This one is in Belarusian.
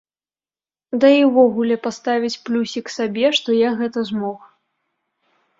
Да і ўвогуле паставіць плюсік сабе, што я гэта змог.